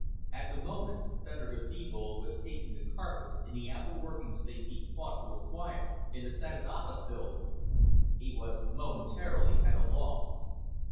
At the moment Senator Thebold was pacing the carpet in the ample working space he'd fought to acquire in the Senate Office Building. He was momentarily at a loss.